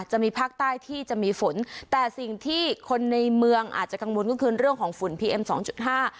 จะมีภาคใต้ที่จะมีฝนแต่สิ่งที่คนในเมืองอาจจะกังวลก็คือเรื่องของฝุ่นพีเอ็มสองจุดห้า